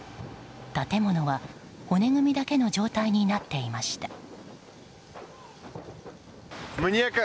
建物は、骨組みだけの状態になっていました。